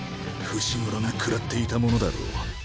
伏黒がくらっていたものだろう。